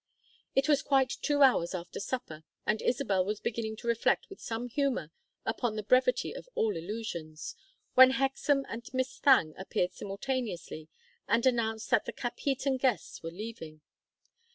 It was quite two hours after supper, and Isabel was beginning to reflect with some humor upon the brevity of all illusions, when Hexam and Miss Thangue appeared simultaneously and announced that the Capheaton guests were leaving.